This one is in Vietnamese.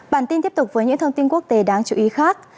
bản tin tiếp tục với những thông tin quốc tế đáng chú ý khác